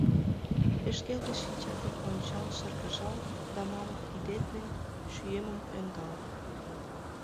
Пеш келге шинчат ден Ончал шыргыжал Да мамык кидет ден Шӱемым ӧндал.